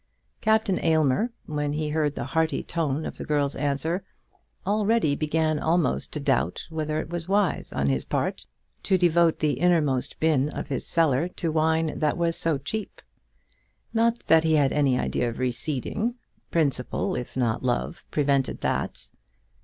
Captain Aylmer, when he heard the hearty tone of the girl's answer, already began almost to doubt whether it was wise on his part to devote the innermost bin of his cellar to wine that was so cheap. Not that he had any idea of receding. Principle, if not love, prevented that.